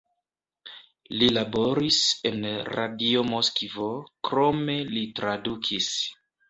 Li laboris en Radio Moskvo, krome li tradukis.